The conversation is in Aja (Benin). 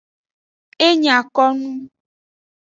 E nya ko nu.